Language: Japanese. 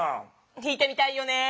ひいてみたいよね。